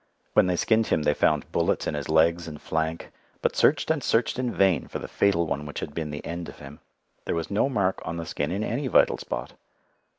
When they skinned him they found bullets in his legs and flank, but searched and searched in vain for the fatal one which had been the end of him. There was no mark on the skin in any vital spot.